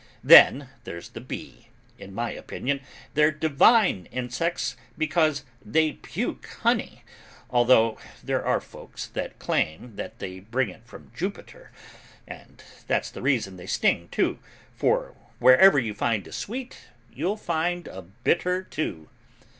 Then there's the bee: in my opinion, they're divine insects because they puke honey, though there are folks that claim that they bring it from Jupiter, and that's the reason they sting, too, for wherever you find a sweet, you'll find a bitter too."